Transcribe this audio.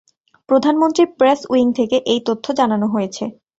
প্রধানমন্ত্রীর press wing থেকে এই তথ্য জানানো হয়েছে।